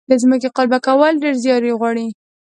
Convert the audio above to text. د ځمکې قلبه کول ډیر زیار غواړي.